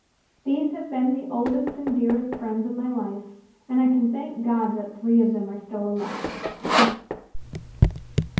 These have been the oldest and dearest friends of my life; and I can thank God that three of them are still alive.